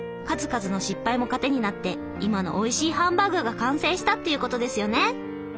数々の失敗も糧になって今のおいしいハンバーグが完成したっていうことですよね。